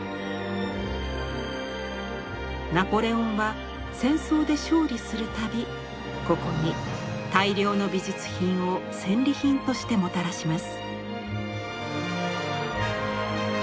ナポレオンは戦争で勝利する度ここに大量の美術品を戦利品としてもたらします。